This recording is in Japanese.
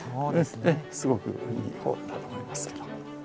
すごくいいホールだと思いますけど。